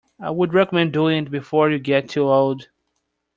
I would recommend doing it before you get too old.